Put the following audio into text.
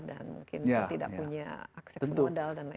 dan mungkin tidak punya akses modal dan lain sebagainya